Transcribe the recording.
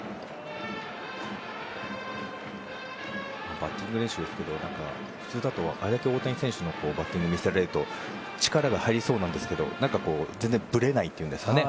バッティング練習の時普通だと、あれだけ大谷選手のバッティングを見せられると力が入りそうですけど全然ぶれないというんですかね。